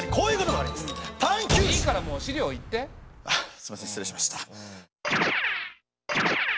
すみません失礼しました。